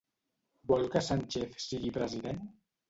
Vol que Sánchez sigui president?